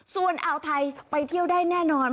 ส่วนอ่าวไทยไปเที่ยวได้แน่นอน